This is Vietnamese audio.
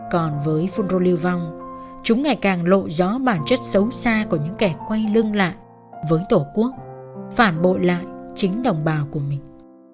còn với phun rô lưu vong chúng ngày càng lộ rõ bản chất xấu xa của những kẻ quay lưng lại với tổ quốc phản bội lại chính đồng bào của mình